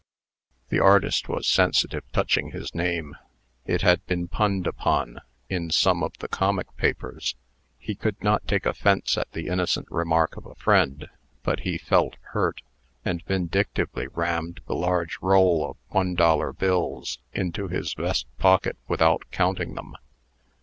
The artist was sensitive touching his name. It had been punned upon in some of the comic papers. He could not take offence at the innocent remark of a friend, but he felt hurt, and vindictively rammed the large roll of one dollar bills into his vest pocket without counting them.